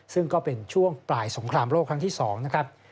ซึ่งก็เป็นช่วงปลายสงครามโลกครั้งที่๒นะครับ